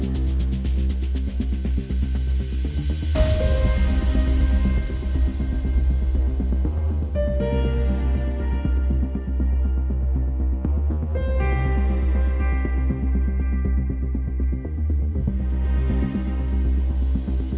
เมื่อเวลาอันดับสุดท้ายมันกลายเป็นภูมิที่สุดท้าย